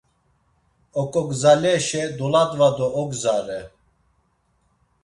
Oǩogzaleşe dolodva do ogzare.